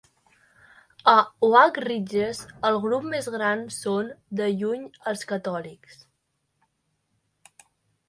A Oak Ridges el grup més gran són, de lluny, els catòlics.